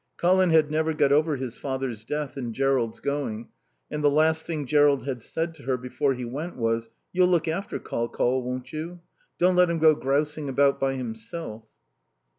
Colin had never got over his father's death and Jerrold's going; and the last thing Jerrold had said to her before he went was; "You'll look after Col Col, won't you? Don't let him go grousing about by himself."